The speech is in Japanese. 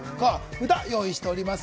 札、用意しております。